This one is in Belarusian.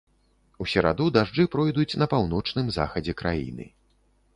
У сераду дажджы пройдуць на паўночным захадзе краіны.